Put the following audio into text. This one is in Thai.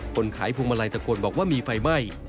คนขายพวงมาลัยตะโกนบอกว่ามีไฟไหม้